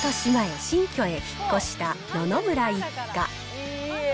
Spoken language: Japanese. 半年前、新居へ引っ越した野々村一家。